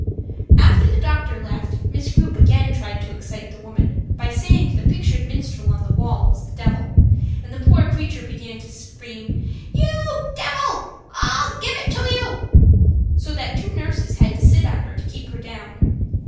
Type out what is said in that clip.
After the doctor left, Miss Grupe again tried to excite the woman by saying the pictured minstrel on the wall was the devil, and the poor creature began to scream, "You divil, I'll give it to you," so that two nurses had to sit on her to keep her down.